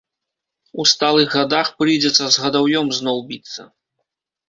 У сталых гадах прыйдзецца з гадаўём зноў біцца.